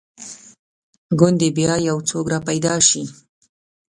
ګوندې بیا یو څوک را پیدا شي.